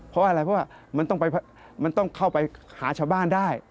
เพราะอะไรเพราะว่ามันต้องเข้าไปหาชาวบ้านได้